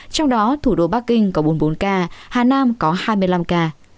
trong đó thủ đô bắc kinh có bốn mươi bốn ca hà nam có hai mươi năm ca